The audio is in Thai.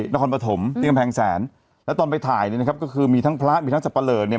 นครปฐมที่กำแพงแสนแล้วตอนไปถ่ายเนี่ยนะครับก็คือมีทั้งพระมีทั้งสับปะเลอเนี่ย